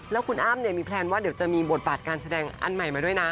แล้วคุณอ้ำมีแพลนว่าเดี๋ยวจะมีบทบาทการแสดงอันใหม่มาด้วยนะ